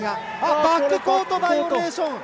バックコートバイオレーション。